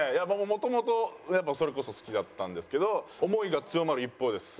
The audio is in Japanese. もともとやっぱそれこそ好きだったんですけど思いが強まる一方です。